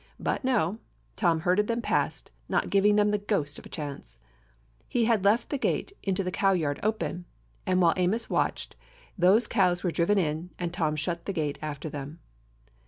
But no: Tom herded them past, not giving them the ghost of a chance. He had left the gate into the cow yard open, and while Amos watched, those cows were driven in, and Tom shut the gate after them.